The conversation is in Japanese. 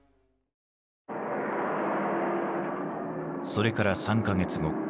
それから３か月後。